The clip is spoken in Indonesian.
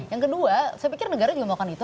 yang kedua saya pikir negara juga melakukan itu